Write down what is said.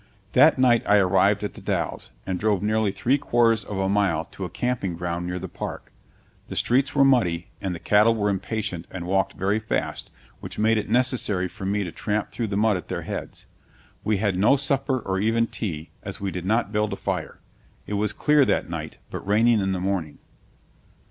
That night I arrived at The Dalles, and drove nearly three quarters of a mile to a camping ground near the park. The streets were muddy, and the cattle were impatient and walked very fast, which made it necessary for me to tramp through the mud at their heads. We had no supper or even tea, as we did not build a fire. It was clear that night, but raining in the morning.